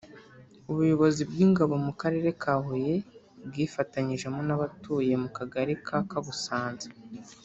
ubuyobozi bw’Ingabo mu Karere ka Huye bwifatanyijemo n’abatuye mu Kagari ka Kabusanza